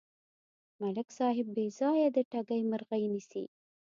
ملک صاحب بېځایه د ټګۍ مرغۍ نیسي.